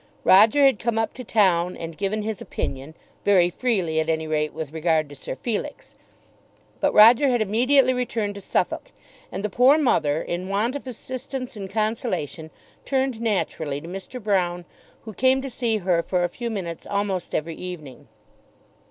Roger had come up to town and given his opinion, very freely at any rate with regard to Sir Felix. But Roger had immediately returned to Suffolk, and the poor mother in want of assistance and consolation turned naturally to Mr. Broune, who came to see her for a few minutes almost every evening.